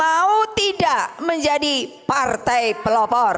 mau tidak menjadi partai pelopor